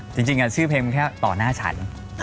จริงชื่อเพลงมันแค่ต่อหน้าฉัน